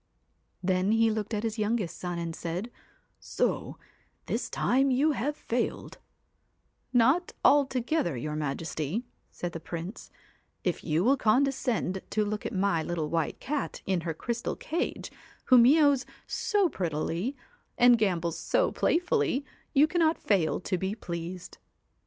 Then he looked at his youngest son, and said: * So 1 this time you have failed 1 ' 1 Not altogether, your majesty,' said the Prince ;' if you will condescend to look at my little white cat in her crystal cage, who meeaws so prettily, 226 and gambols so playfully, you cannot fail to be THE pleased.'